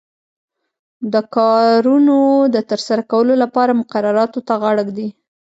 د کارونو د ترسره کولو لپاره مقرراتو ته غاړه ږدي.